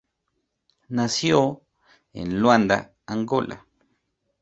Nació en Luanda, Angola.